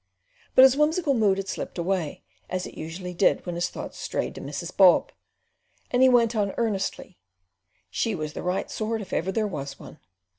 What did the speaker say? But his whimsical mood had slipped away, as it usually did when his thoughts strayed to Mrs. Bob; and he went on earnestly, "She was the right sort if ever there was one.